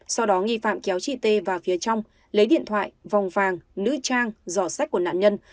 sau đó nghi phạm kéo chị t vào phía trong lấy điện thoại vòng vàng nữ trang giỏ sách của nạn nhân